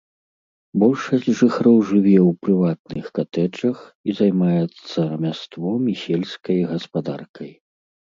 Большасць жыхароў жыве ў прыватных катэджах і займаецца рамяством і сельскай гаспадаркай.